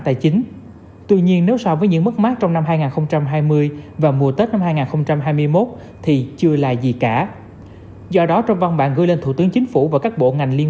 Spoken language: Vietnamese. tại chính chẳng hạn nhà nước có những chính sách hỗ trợ về bảo hiểm cho nhân viên